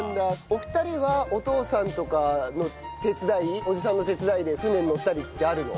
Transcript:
お二人はお父さんとかの手伝い叔父さんの手伝いで船に乗ったりってあるの？